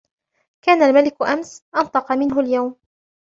كَانَ الْمَلِكُ أَمْسِ أَنْطَقَ مِنْهُ الْيَوْمَ